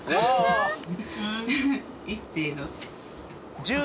いっせーのせ！